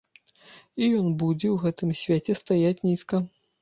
І ён будзе ў гэтым свеце стаяць нізка.